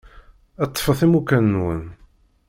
Ṭṭfet imukan-nwen.